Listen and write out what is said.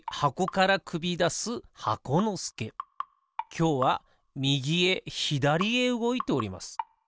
きょうはみぎへひだりへうごいております。